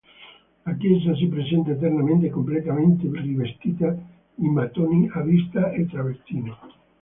La chiesa si presenta esternamente completamente rivestita in mattoni a vista e travertino.